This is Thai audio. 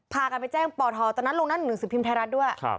พากันไปแจ้งปทตอนนั้นลงหน้าหนึ่งสิบพิมพ์ไทยรัฐด้วย